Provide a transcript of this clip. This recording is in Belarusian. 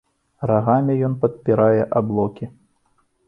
Рагамі ён падпірае аблокі.